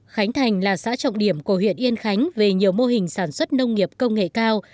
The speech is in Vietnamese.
khánh thành là xã trọng điểm của huyện yên khánh về nhiều mô hình sản xuất nông nghiệp công nghệ cao